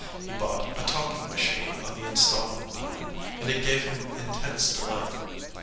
He bought a talk ing machine on the instalment plan, and it gave him intense delight.